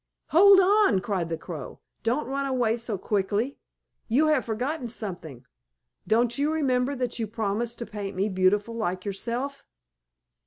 "Hold on!" cried the Crow. "Don't run away so quickly. You have forgotten something. Don't you remember that you promised to paint me beautiful like yourself?"